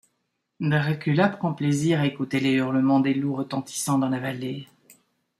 Dracula prend plaisir à écouter les hurlements des loups retentissant dans la vallée.